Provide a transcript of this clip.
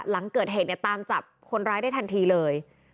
หลังเกิดเหตุเนี่ยตามจับคนร้ายได้ทันทีเลย